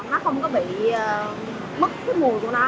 nó không có bị mất cái mùi của nó